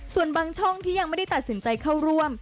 ส่วนบางช่องที่ยังไม่ได้ตัดสินใจเข้าร่วม